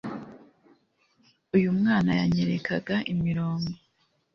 uyu mwana yanyerekaga imirongo